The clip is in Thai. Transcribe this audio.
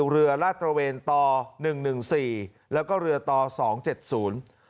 เรือลาดตระเวนต่อหนึ่งหนึ่งสี่แล้วก็เรือต่อสองเจ็ดศูนย์